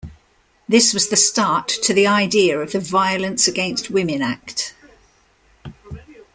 This was the start to the idea of the Violence Against Women Act.